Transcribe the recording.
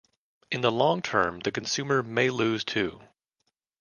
In the long term, the consumer may lose too.